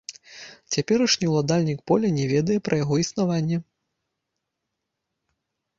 Цяперашні ўладальнік поля не ведае пра яго існаванне.